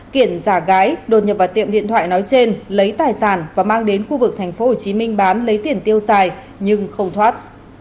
kiển giả gái đột nhập vào tiệm điện thoại nói trên lấy tài sản và mang đến khu vực tp hcm bán lấy tiền tiêu xài nhưng không thoát